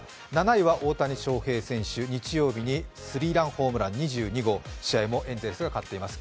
７位は大谷翔平選手、日曜日にスリーランホームラン、２２号試合もエンゼルスが勝っています。